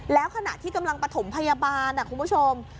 แล้วขณะที่กำลังประถมพยาบาลคุณผู้ชม